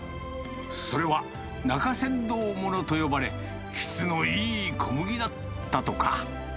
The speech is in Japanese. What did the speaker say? それは中山道ものと呼ばれ、質のいい小麦だったとか。